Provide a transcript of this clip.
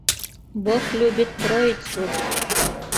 Бог любит троицу!